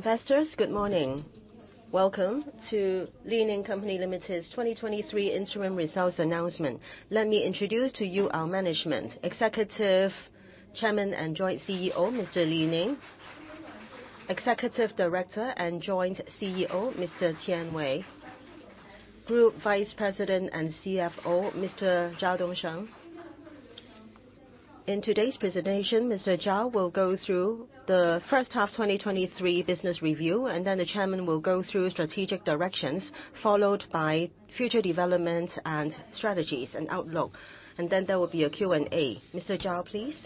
Investors, good morning. Welcome to Li-Ning Company Limited's 2023 interim results announcement. Let me introduce to you our management. Executive Chairman and Joint CEO, Mr. Li Ning. Executive Director and Joint CEO, Mr. Qian Wei. Group Vice President and CFO, Mr. Zhao Dongsheng. In today's presentation, Mr. Zhao will go through the first half 2023 business review, the chairman will go through strategic directions, followed by future developments and strategies and outlook, there will be a Q&A. Mr. Zhao, please?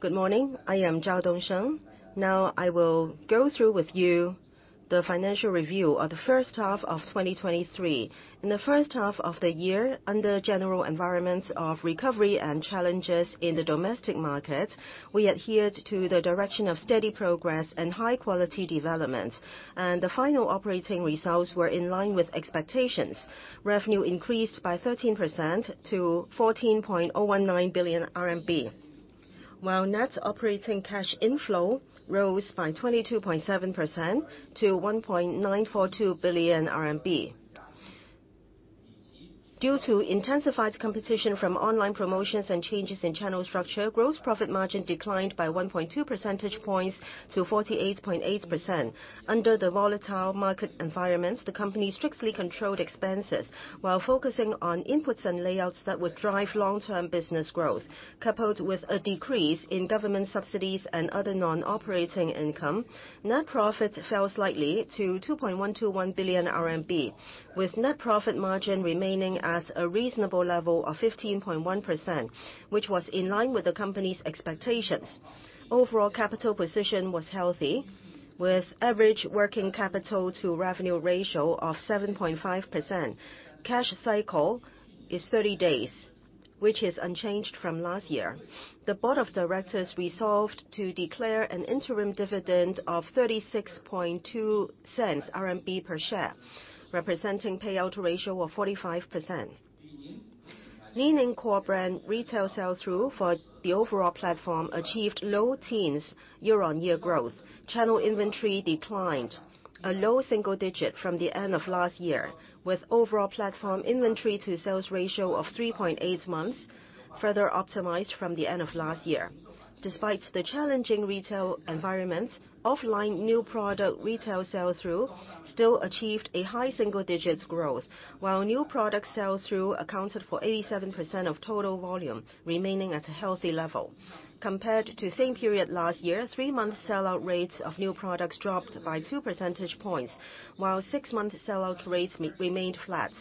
Good morning. I am Zhao Dongsheng. Now, I will go through with you the financial review of the first half of 2023. In the first half of the year, under general environments of recovery and challenges in the domestic market, we adhered to the direction of steady progress and high-quality development, the final operating results were in line with expectations. Revenue increased by 13% to 14.019 billion RMB, while net operating cash inflow rose by 22.7% to 1.942 billion yuan. Due to intensified competition from online promotions and changes in channel structure, gross profit margin declined by 1.2 percentage points to 48.8%. Under the volatile market environments, the company strictly controlled expenses while focusing on inputs and layouts that would drive long-term business growth. Coupled with a decrease in government subsidies and other non-operating income, net profit fell slightly to 2.121 billion RMB, with net profit margin remaining at a reasonable level of 15.1%, which was in line with the company's expectations. Overall, capital position was healthy, with average working capital to revenue ratio of 7.5%. Cash cycle is 30 days, which is unchanged from last year. The board of directors resolved to declare an interim dividend of 0.362 per share, representing payout ratio of 45%. Li-Ning core brand retail sell-through for the overall platform achieved low teens year-on-year growth. Channel inventory declined a low single digit from the end of last year, with overall platform inventory to sales ratio of 3.8 months, further optimized from the end of last year. Despite the challenging retail environments, offline new product retail sell-through still achieved a high single digits growth, while new product sell-through accounted for 87% of total volume, remaining at a healthy level. Compared to same period last year, 3-month sell-out rates of new products dropped by 2 percentage points, while 6-month sell-out rates remained flat.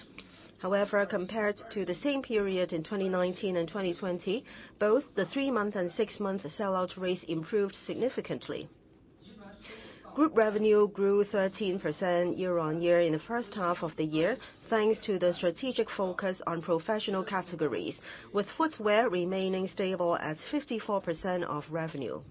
However, compared to the same period in 2019 and 2020, both the 3-month and 6-month sell-out rates improved significantly. Group revenue grew 13% year-over-year in the first half of the year, thanks to the strategic focus on professional categories, with footwear remaining stable at 54% of revenue.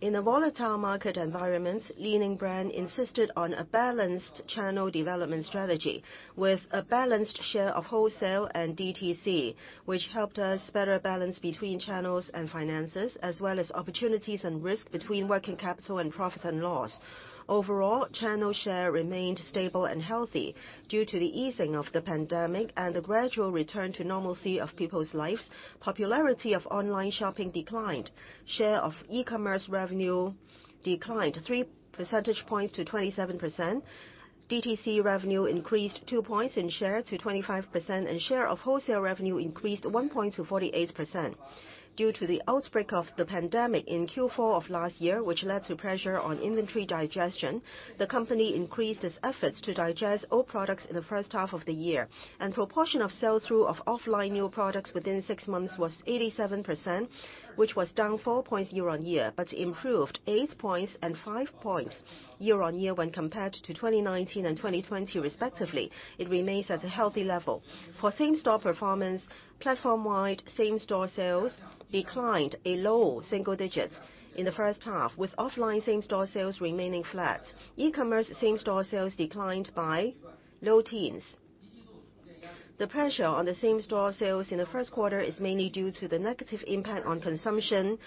In a volatile market environment, Li-Ning brand insisted on a balanced channel development strategy with a balanced share of wholesale and DTC, which helped us better balance between channels and finances, as well as opportunities and risk between working capital and profit and loss. Overall, channel share remained stable and healthy. Due to the easing of the pandemic and the gradual return to normalcy of people's lives, popularity of online shopping declined. Share of e-commerce revenue declined 3 percentage points to 27%. DTC revenue increased 2 points in share to 25%, and share of wholesale revenue increased 1 point to 48%. Due to the outbreak of the pandemic in Q4 of last year, which led to pressure on inventory digestion, the company increased its efforts to digest all products in the first half of the year. Proportion of sell-through of offline new products within 6 months was 87%, which was down 4 points year-over-year, but improved 8 points and 5 points year-over-year when compared to 2019 and 2020 respectively. It remains at a healthy level. For same-store performance, platform-wide same-store sales declined a low single digits in the first half, with offline same-store sales remaining flat. e-commerce same-store sales declined by low teens. The pressure on the same-store sales in the Q1 is mainly due to the negative impact on consumption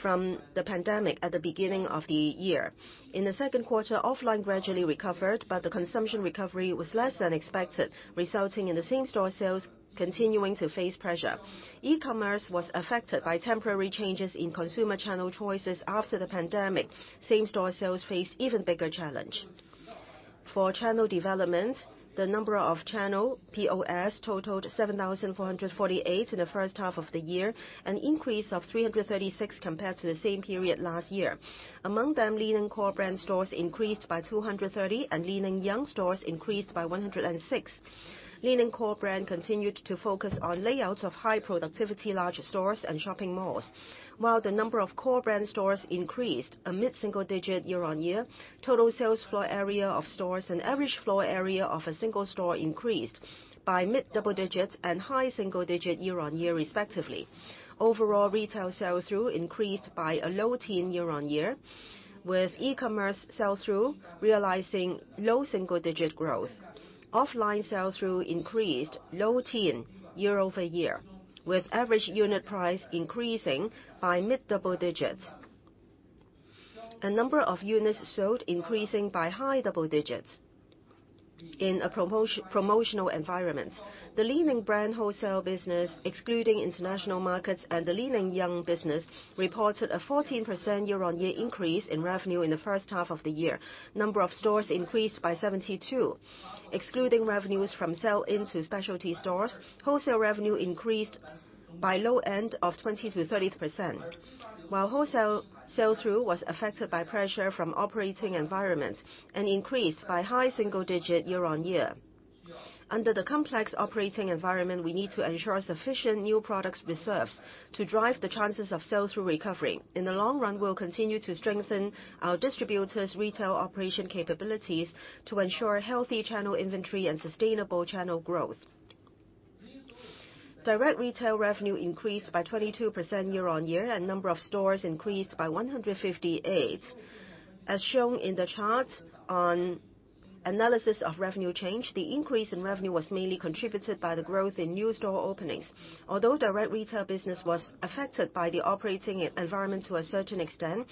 from the pandemic at the beginning of the year. In the Q2, offline gradually recovered, but the consumption recovery was less than expected, resulting in the same-store sales continuing to face pressure. E-commerce was affected by temporary changes in consumer channel choices after the pandemic. Same-store sales faced even bigger challenge. For channel development, the number of channel POS totaled 7,448 in the first half of the year, an increase of 336 compared to the same period last year. Among them, Li-Ning core brand stores increased by 230, and LI-NING YOUNG stores increased by 106. Li-Ning core brand continued to focus on layouts of high productivity large stores and shopping malls. While the number of core brand stores increased a mid-single digit year-on-year, total sales floor area of stores and average floor area of a single store increased by mid-double digits and high single digit year-on-year, respectively. Overall, retail sell-through increased by a low teen year-on-year, with e-commerce sell-through realizing low single-digit growth. Offline sell-through increased low teen year-over-year. With average unit price increasing by mid-double digits. A number of units sold increasing by high double digits. In a promotional environment, the Li-Ning brand wholesale business, excluding international markets and the LI-NING YOUNG business, reported a 14% year-on-year increase in revenue in the first half of the year. Number of stores increased by 72, excluding revenues from sell into specialty stores. Wholesale revenue increased by low end of 20%-30%, while wholesale sell-through was affected by pressure from operating environments and increased by high single-digit year-on-year. Under the complex operating environment, we need to ensure sufficient new products reserves to drive the chances of sell-through recovery. In the long run, we'll continue to strengthen our distributors' retail operation capabilities to ensure healthy channel inventory and sustainable channel growth. Direct retail revenue increased by 22% year-on-year, and number of stores increased by 158. As shown in the chart on analysis of revenue change, the increase in revenue was mainly contributed by the growth in new store openings. Although direct retail business was affected by the operating environment to a certain extent,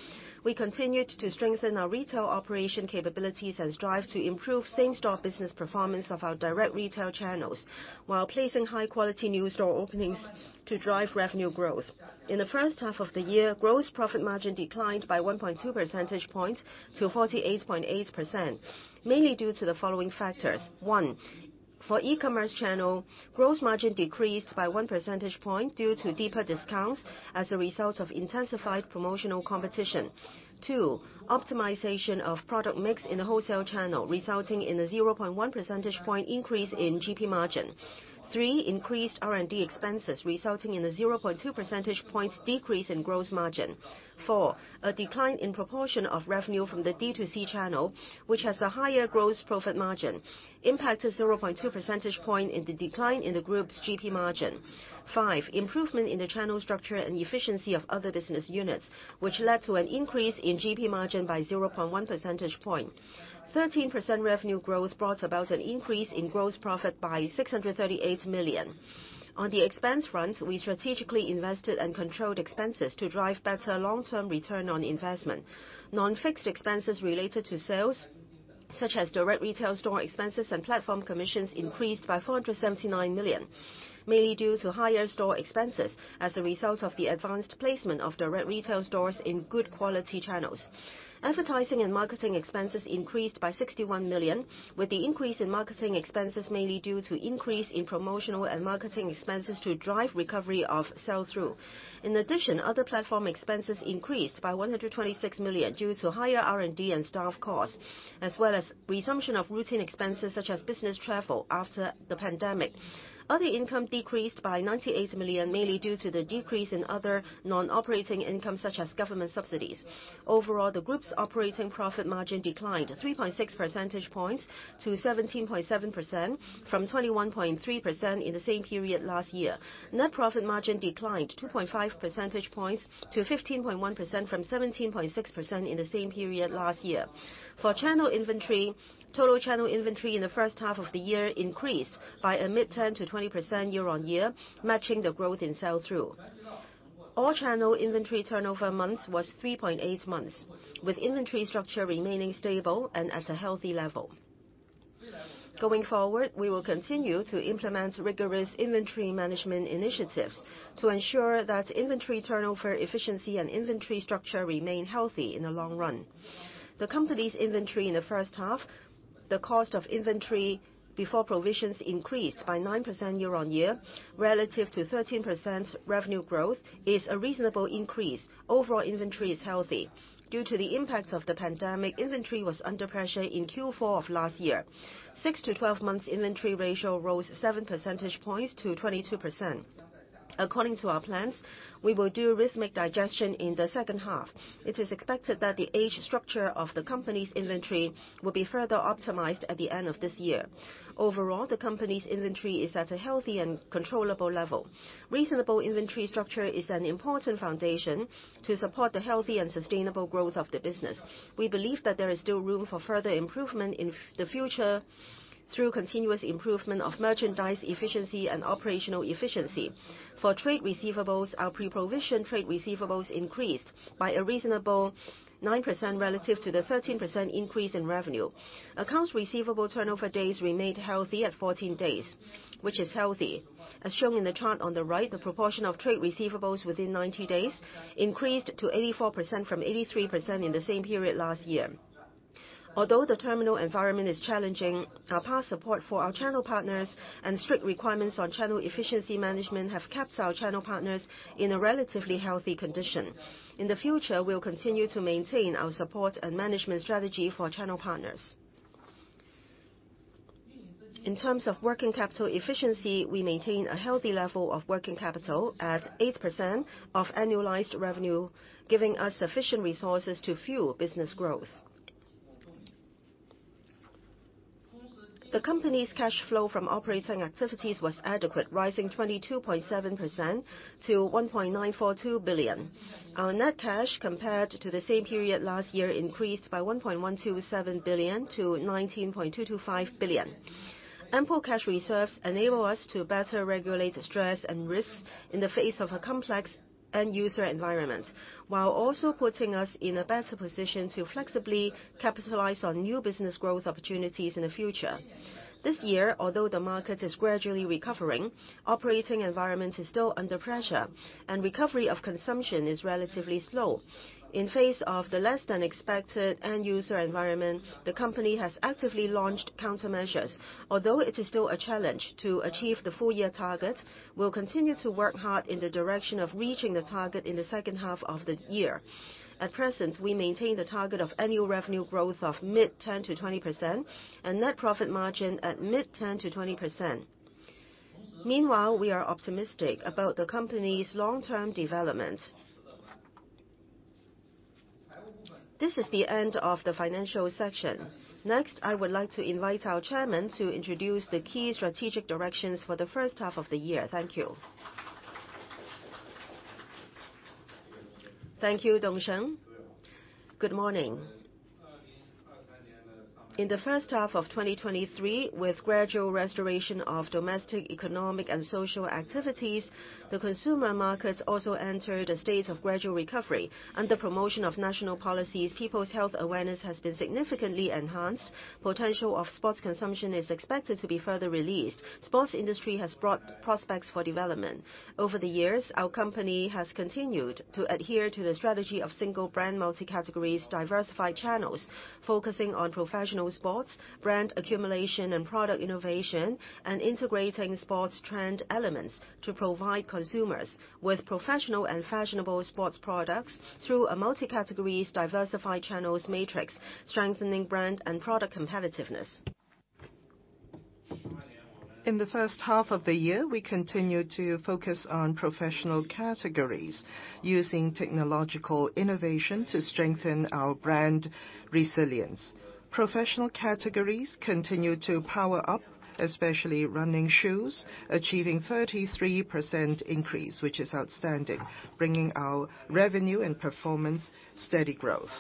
we continued to strengthen our retail operation capabilities and strive to improve same-store business performance of our direct retail channels, while placing high-quality new store openings to drive revenue growth. In the first half of the year, gross profit margin declined by 1.2 percentage points to 48.8%, mainly due to the following factors. 1, for e-commerce channel, gross margin decreased by 1 percentage point due to deeper discounts as a result of intensified promotional competition. 2, optimization of product mix in the wholesale channel, resulting in a 0.1 percentage point increase in GP margin. 3, increased R&D expenses, resulting in a 0.2 percentage point decrease in gross margin. 4, a decline in proportion of revenue from the D2C channel, which has a higher gross profit margin, impacted 0.2 percentage point in the decline in the group's GP margin. 5, improvement in the channel structure and efficiency of other business units, which led to an increase in GP margin by 0.1 percentage point. 13% revenue growth brought about an increase in gross profit by 638 million. On the expense front, we strategically invested and controlled expenses to drive better long-term return on investment. Non-fixed expenses related to sales, such as direct retail store expenses and platform commissions, increased by 479 million, mainly due to higher store expenses as a result of the advanced placement of direct retail stores in good quality channels. Advertising and marketing expenses increased by 61 million, with the increase in marketing expenses mainly due to increase in promotional and marketing expenses to drive recovery of sell-through. In addition, other platform expenses increased by 126 million due to higher R&D and staff costs, as well as resumption of routine expenses, such as business travel after the pandemic. Other income decreased by 98 million, mainly due to the decrease in other non-operating income, such as government subsidies. Overall, the group's operating profit margin declined 3.6 percentage points to 17.7% from 21.3% in the same period last year. Net profit margin declined 2.5 percentage points to 15.1% from 17.6% in the same period last year. For channel inventory, total channel inventory in the first half of the year increased by a mid 10%-20% year-on-year, matching the growth in sell-through. All channel inventory turnover months was 3.8 months, with inventory structure remaining stable and at a healthy level. Going forward, we will continue to implement rigorous inventory management initiatives to ensure that inventory turnover, efficiency and inventory structure remain healthy in the long run. The company's inventory in the first half, the cost of inventory before provisions increased by 9% year-on-year, relative to 13% revenue growth is a reasonable increase. Overall inventory is healthy. Due to the impact of the pandemic, inventory was under pressure in Q4 of last year. 6-12 months inventory ratio rose 7 percentage points to 22%. According to our plans, we will do rhythmic digestion in the second half. It is expected that the age structure of the company's inventory will be further optimized at the end of this year. Overall, the company's inventory is at a healthy and controllable level. Reasonable inventory structure is an important foundation to support the healthy and sustainable growth of the business. We believe that there is still room for further improvement in the future through continuous improvement of merchandise efficiency and operational efficiency. For trade receivables, our pre-provision trade receivables increased by a reasonable 9% relative to the 13% increase in revenue. Accounts receivable turnover days remained healthy at 14 days, which is healthy. As shown in the chart on the right, the proportion of trade receivables within 90 days increased to 84% from 83% in the same period last year. Although the terminal environment is challenging, our past support for our channel partners and strict requirements on channel efficiency management have kept our channel partners in a relatively healthy condition. In the future, we'll continue to maintain our support and management strategy for our channel partners. In terms of working capital efficiency, we maintain a healthy level of working capital at 8% of annualized revenue, giving us sufficient resources to fuel business growth. The company's cash flow from operating activities was adequate, rising 22.7% to 1.942 billion. Our net cash, compared to the same period last year, increased by 1.127 billion to 19.225 billion. Ample cash reserves enable us to better regulate the stress and risks in the face of a complex end user environment, while also putting us in a better position to flexibly capitalize on new business growth opportunities in the future. This year, although the market is gradually recovering, operating environment is still under pressure, Recovery of consumption is relatively slow. In face of the less-than-expected end user environment, the company has actively launched countermeasures. Although it is still a challenge to achieve the full year target, we'll continue to work hard in the direction of reaching the target in the second half of the year. At present, we maintain the target of annual revenue growth of mid 10%-20% and net profit margin at mid 10%-20%. Meanwhile, we are optimistic about the company's long-term development. This is the end of the financial section. Next, I would like to invite our Chairman to introduce the key strategic directions for the first half of the year. Thank you. Thank you, Dongsheng. Good morning. In the first half of 2023, with gradual restoration of domestic, economic, and social activities, the consumer markets also entered a state of gradual recovery. Under promotion of national policies, people's health awareness has been significantly enhanced. Potential of sports consumption is expected to be further released. Sports industry has brought prospects for development. Over the years, our company has continued to adhere to the strategy of single brand, multi-categories, diversified channels, focusing on professional sports, brand accumulation, and product innovation, and integrating sports trend elements to provide consumers with professional and fashionable sports products through a multi-categories, diversified channels matrix, strengthening brand and product competitiveness. In the first half of the year, we continued to focus on professional categories using technological innovation to strengthen our brand resilience. Professional categories continued to power up, especially running shoes, achieving 33% increase, which is outstanding, bringing our revenue and performance steady growth.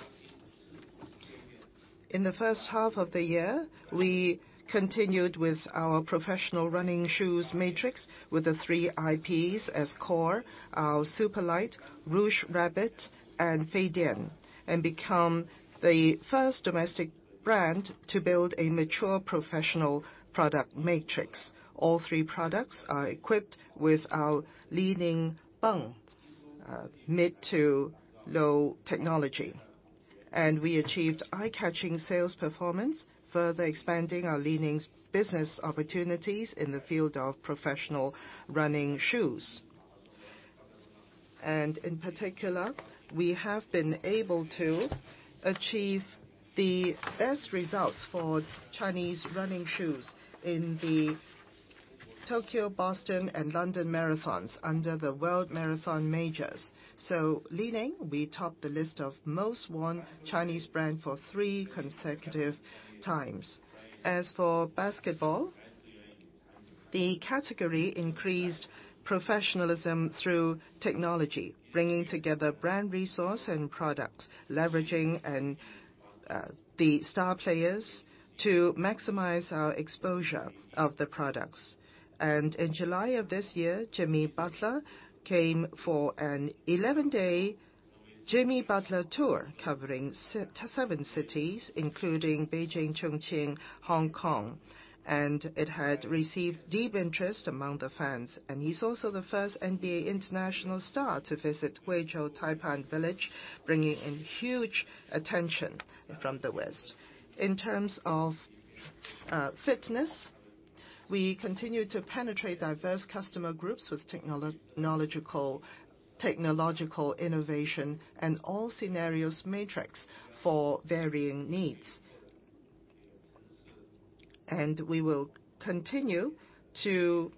In the first half of the year, we continued with our professional running shoes matrix with the three IPs as core, our Super Light, Rouge Rabbit, and Feidian, and become the first domestic brand to build a mature professional product matrix. All three products are equipped with our leading Beng mid to low technology, and we achieved eye-catching sales performance, further expanding our leading business opportunities in the field of professional running shoes. In particular, we have been able to achieve the best results for Chinese running shoes in the Tokyo, Boston, and London marathons under the World Marathon Majors. Leading, we topped the list of most won Chinese brand for 3 consecutive times. As for basketball, the category increased professionalism through technology, bringing together brand resource and product, leveraging and the star players to maximize our exposure of the products. In July of this year, Jimmy Butler came for an 11-day Jimmy Butler tour, covering 7 cities, including Beijing, Chongqing, Hong Kong, and it had received deep interest among the fans. He's also the first NBA international star to visit Taipan Village, Guizhou, bringing in huge attention from the West. In terms of fitness, we continue to penetrate diverse customer groups with technological innovation and all scenarios matrix for varying needs. We will continue to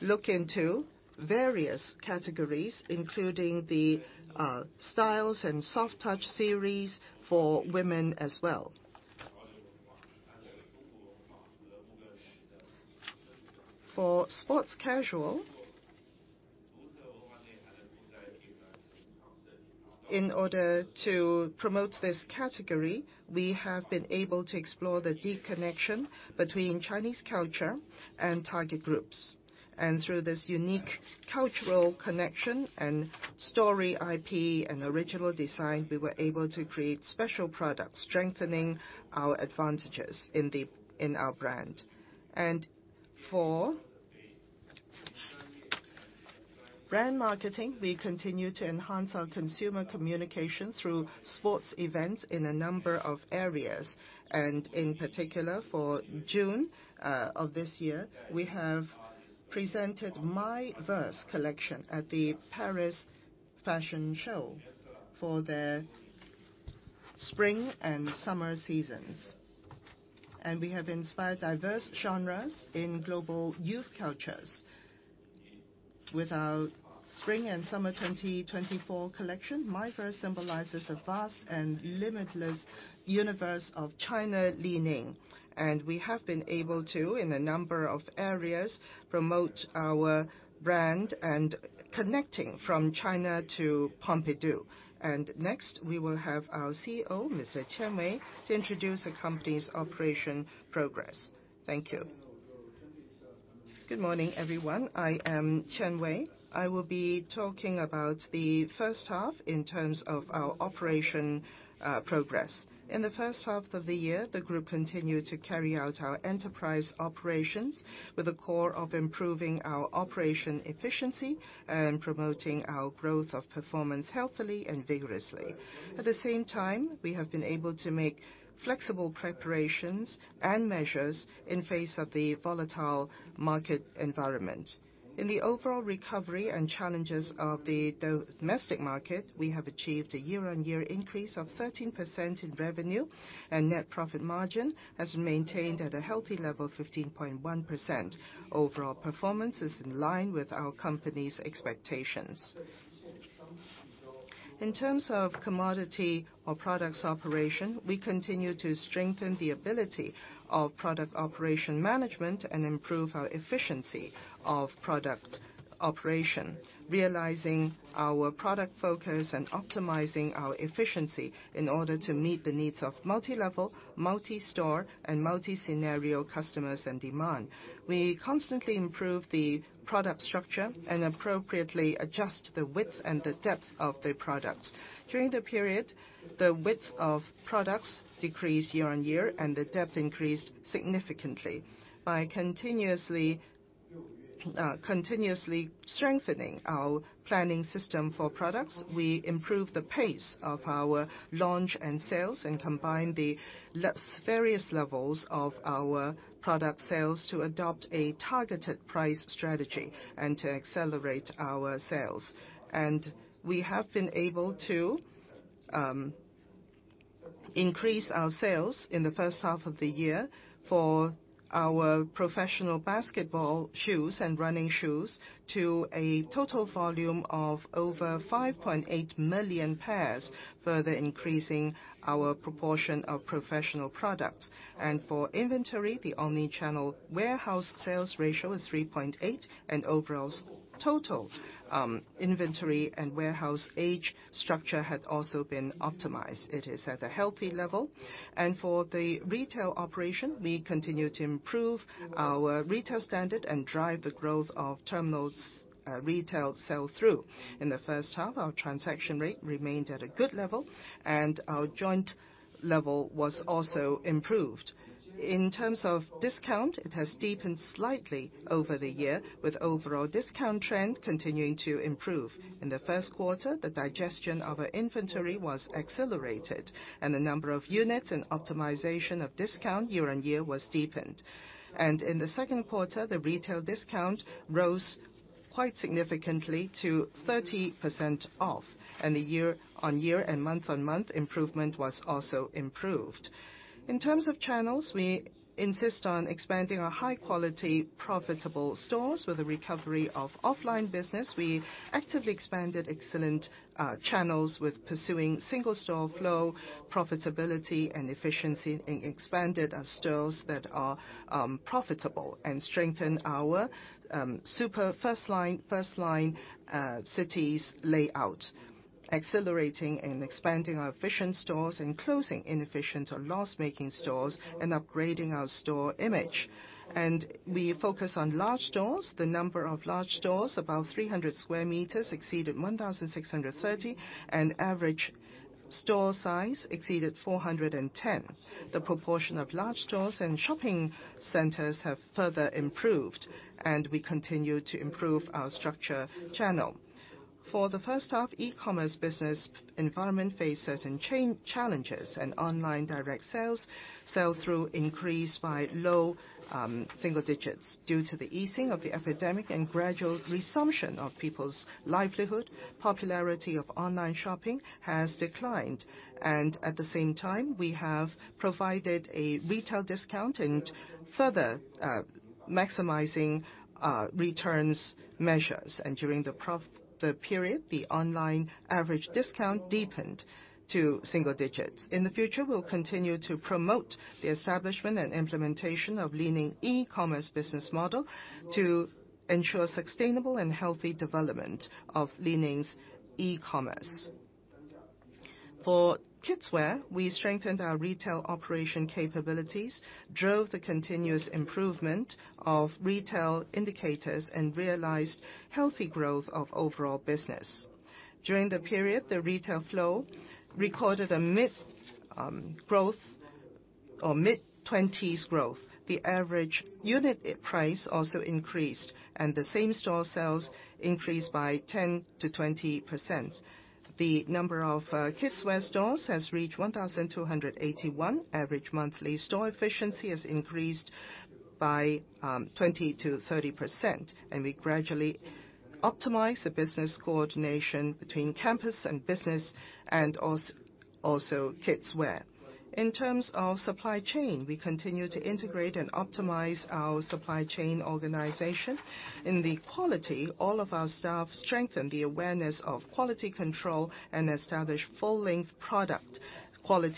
look into various categories, including the styles and soft touch series for women as well. For sports casual, in order to promote this category, we have been able to explore the deep connection between Chinese culture and target groups. Through this unique cultural connection and story IP and original design, we were able to create special products, strengthening our advantages in our brand. For brand marketing, we continue to enhance our consumer communication through sports events in a number of areas. In particular, for June of this year, we have presented MY-VERSE collection at the Paris Fashion Week for the spring and summer seasons. We have inspired diverse genres in global youth cultures. With our spring and summer 2024 collection, MY-VERSE symbolizes a vast and limitless universe of China Li-Ning. We have been able to, in a number of areas, promote our brand and connecting from China to Pompidou. Next, we will have our CEO, Mr. Kosaka Takeshi, to introduce the company's operation progress. Thank you. Good morning, everyone. I am Kosaka Takeshi. I will be talking about the first half in terms of our operation progress. In the first half of the year, the group continued to carry out our enterprise operations with the core of improving our operation efficiency and promoting our growth of performance healthily and vigorously. At the same time, we have been able to make flexible preparations and measures in face of the volatile market environment. In the overall recovery and challenges of the domestic market, we have achieved a year-on-year increase of 13% in revenue, and net profit margin has been maintained at a healthy level of 15.1%. Overall performance is in line with our company's expectations. In terms of commodity or products operation, we continue to strengthen the ability of product operation management and improve our efficiency of product operation, realizing our product focus and optimizing our efficiency in order to meet the needs of multilevel, multi-store, and multi-scenario customers and demand. We constantly improve the product structure and appropriately adjust the width and the depth of the products. During the period, the width of products decreased year on year, and the depth increased significantly. By continuously, continuously strengthening our planning system for products, we improved the pace of our launch and sales, and combined the various levels of our product sales to adopt a targeted price strategy and to accelerate our sales. We have been able to increase our sales in the first half of the year for our professional basketball shoes and running shoes to a total volume of over 5.8 million pairs, further increasing our proportion of professional products. For inventory, the omni-channel warehouse sales ratio is 3.8, and overall total inventory and warehouse age structure has also been optimized. It is at a healthy level. For the retail operation, we continue to improve our retail standard and drive the growth of terminals, retail sell-through. In the first half, our transaction rate remained at a good level, and our joint level was also improved. In terms of discount, it has deepened slightly over the year, with overall discount trend continuing to improve. In the Q1, the digestion of our inventory was accelerated, and the number of units and optimization of discount year-on-year was deepened. In the Q2, the retail discount rose quite significantly to 30% off, and the year-on-year and month-on-month improvement was also improved. In terms of channels, we insist on expanding our high-quality, profitable stores. With a recovery of offline business, we actively expanded excellent channels with pursuing single-store flow, profitability and efficiency, and expanded our stores that are profitable, and strengthened our super first line, first line cities layout, accelerating and expanding our efficient stores and closing inefficient or loss-making stores, and upgrading our store image. We focus on large stores. The number of large stores, about 300 square meters, exceeded 1,630, average store size exceeded 410. The proportion of large stores and shopping centers have further improved, We continue to improve our structure channel. For the first half, e-commerce business environment faced certain challenges, Online direct sales sell-through increased by low single digits. Due to the easing of the epidemic and gradual resumption of people's livelihood, popularity of online shopping has declined. At the same time, we have provided a retail discount and further maximizing returns measures. During the period, the online average discount deepened to single digits. In the future, we'll continue to promote the establishment and implementation of Li-Ning e-commerce business model to ensure sustainable and healthy development of Li-Ning's e-commerce. For kidswear, we strengthened our retail operation capabilities, drove the continuous improvement of retail indicators, and realized healthy growth of overall business. During the period, the retail flow recorded a mid growth or mid-twenties growth. The average unit price also increased, and the same-store sales increased by 10%-20%. The number of kidswear stores has reached 1,281. Average monthly store efficiency has increased by 20%-30%, and we gradually optimize the business coordination between campus and business and also kidswear. In terms of supply chain, we continue to integrate and optimize our supply chain organization. In the quality, all of our staff strengthen the awareness of quality control and establish full-length quality management mechanism, strict implementation of quality management systems and standards, and continue to pay attention to product quality improvement.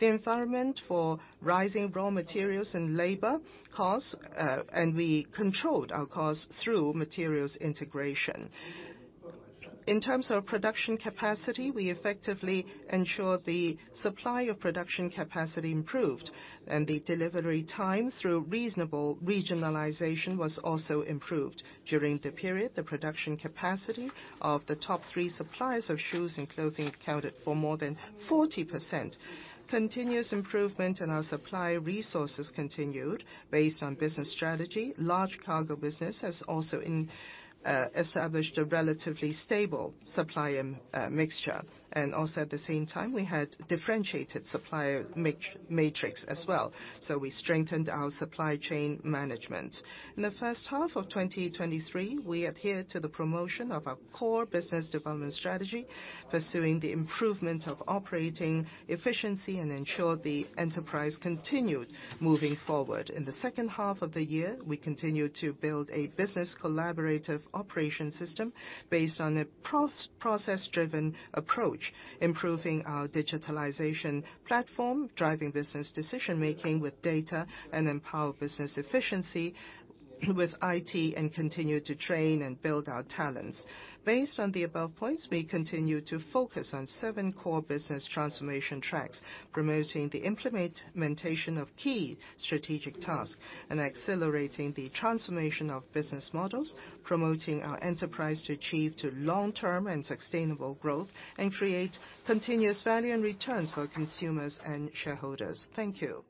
The environment for rising raw materials and labor costs, and we controlled our costs through materials integration. In terms of production capacity, we effectively ensured the supply of production capacity improved, and the delivery time through reasonable regionalization was also improved. During the period, the production capacity of the top three suppliers of shoes and clothing accounted for more than 40%. Continuous improvement in our supply resources continued based on business strategy. Large cargo business has also established a relatively stable supplier mixture. Also, at the same time, we had differentiated supplier matrix as well. We strengthened our supply chain management. In the first half of 2023, we adhered to the promotion of our core business development strategy, pursuing the improvement of operating efficiency and ensured the enterprise continued moving forward. In the second half of the year, we continued to build a business collaborative operation system based on a process-driven approach, improving our digitalization platform, driving business decision-making with data, and empower business efficiency with IT, and continued to train and build our talents. Based on the above points, we continue to focus on seven core business transformation tracks, promoting the implementation of key strategic tasks, and accelerating the transformation of business models, promoting our enterprise to achieve long-term and sustainable growth, and create continuous value and returns for consumers and shareholders. Thank you.